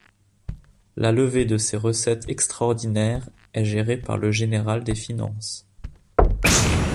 La levée de ces recettes extraordinaires est gérée par le général des finances.